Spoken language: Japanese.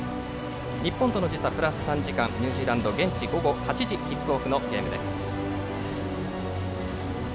日本との時差はプラス３時間ニュージーランド、現地午後８時キックオフのゲームです。